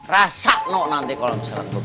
rasakno nanti kalau misalnya